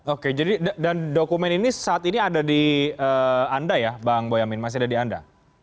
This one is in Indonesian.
oke jadi dan dokumen ini saat ini ada di anda ya bang boyamin masih ada di anda